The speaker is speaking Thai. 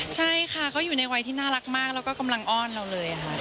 ใช่ค่ะเขาอยู่ในวัยที่น่ารักมากแล้วก็กำลังอ้อนเราเลยค่ะ